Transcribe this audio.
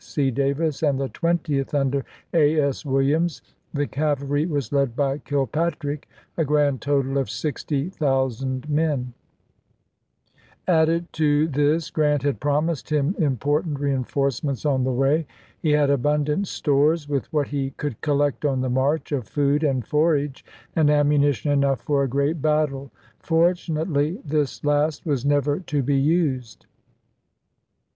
C. Davis, and the Twentieth Vol. II., ^'' p. 268. under A. S. Williams ; the cavalry was led by Kil patrick; a grand total of 60,000 men; added to this Grant had promised him important reinforce ments on the way. He had abundant stores, with what he could collect on the march, of food and forage, and ammunition enough for a great battle. Fortunately, this last was never to be used.